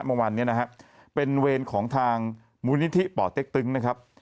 เมื่อวานนี้นะฮะเป็นเวรของทางมูลนิธิป่อเต็กตึงนะครับ